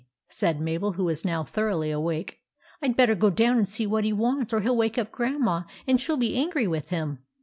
" said Mabel, who was now thoroughly awake. " I 'd better go down and see what he wants, or he '11 wake up Grandma, and she '11 be angry with him."